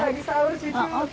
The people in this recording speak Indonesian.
lagi selalu cucu semuanya ramai